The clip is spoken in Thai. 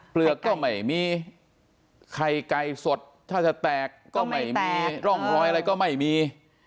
เปลือกก็ไม่มีไข่ไก่สดถ้าจะแตกก็ไม่มีร่องรอยอะไรก็ไม่มี